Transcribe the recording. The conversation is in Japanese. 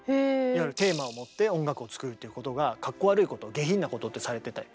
いわゆるテーマを持って音楽を作るっていうことがかっこ悪いこと下品なことってされてて。